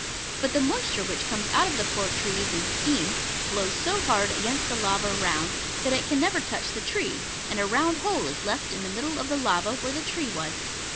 But the moisture which comes out of the poor tree in steam blows so hard against the lava round that it can never touch the tree, and a round hole is left in the middle of the lava where the tree was.